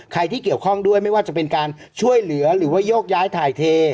ที่เกี่ยวข้องด้วยไม่ว่าจะเป็นการช่วยเหลือหรือว่าโยกย้ายถ่ายเท